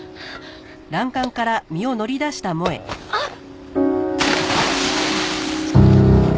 あっ！